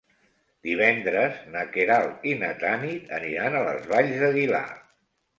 Divendres na Queralt i na Tanit aniran a les Valls d'Aguilar.